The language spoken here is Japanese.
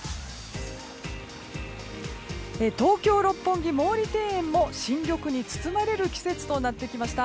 東京・六本木毛利庭園も新緑に包まれる季節となりました。